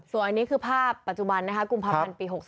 ส่วนอันนี้คือภาพปัจจุบันนะคะกุมภาพันธ์ปี๖๓